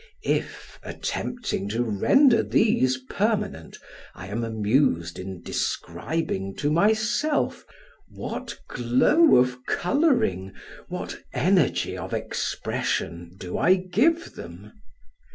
If, attempting to render these permanent, I am amused in describing to myself, what glow of coloring, what energy of expression, do I give them!